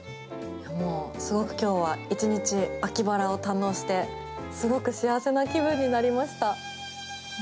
すごく今日は１日秋バラを堪能してすごく幸せな気分になりました。